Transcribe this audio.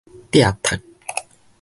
摘讀